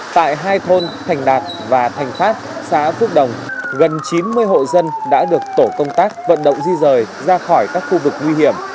tại hai thôn thành đạt và thành phát xã phước đồng gần chín mươi hộ dân đã được tổ công tác vận động di rời ra khỏi các khu vực nguy hiểm